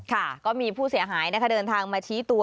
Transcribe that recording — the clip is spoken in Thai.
ค่ะก็มีผู้เสียหายนะคะเดินทางมาชี้ตัว